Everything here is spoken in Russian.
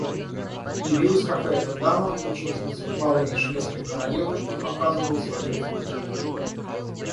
Явилась какая-то дама, учительница плаванья Шведской королевы, и показывала свое искусство.